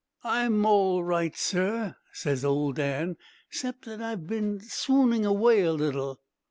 "'I'm all right, sir,' ses old Dan, ''cept that I've been swoonding away a little.'